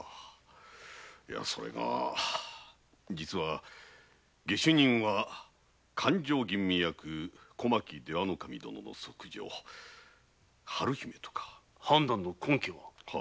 それが実は下手人は勘定吟味役小牧出羽守殿の息女・春姫とか。判断の根拠は？